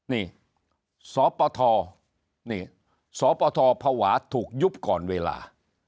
นี่สปทนี่สปทภาวะถูกยุบก่อนเวลา